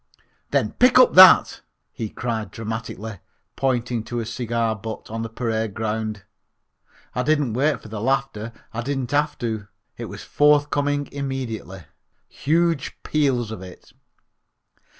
"Then pick up that," he cried dramatically, pointing to a cigar butt on the parade ground. I didn't wait for the laughter. I didn't have to. It was forthcoming immediately. Huge peals of it.